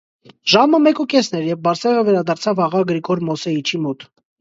Ժամը մեկուկեսն էր, երբ Բարսեղը վերադարձավ աղա Գրիգոր Մոսեիչի մոտ: